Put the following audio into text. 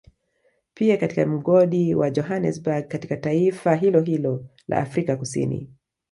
Pia katika mgodi wa Johanesberg katika taifa la hilohilo la Afrika kusini